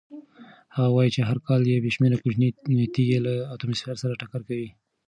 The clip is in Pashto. هغه وایي چې هر کال بې شمېره کوچنۍ تېږې له اتموسفیر سره ټکر کوي.